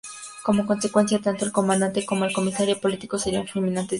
Como consecuencia, tanto el comandante como el comisario político serían fulminante destituidos.